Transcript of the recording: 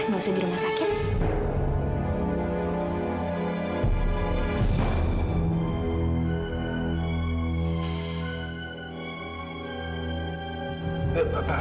gak usah di rumah sakit